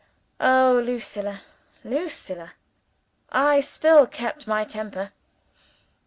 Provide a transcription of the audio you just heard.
(Oh, Lucilla! Lucilla!) I still kept my temper.